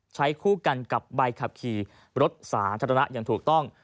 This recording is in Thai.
ใช้คู่กันกับใบขับขี่รถสาธารณะอย่างถูกต้อง